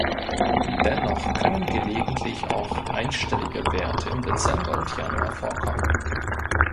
Dennoch können gelegentlich auch einstellige Werte im Dezember und Januar vorkommen.